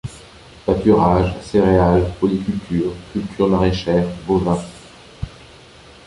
Pâturages, céréales, polyculture, cultures maraîchères, bovins.